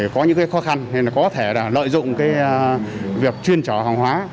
có những khó khăn nên có thể lợi dụng việc chuyên trở hàng hóa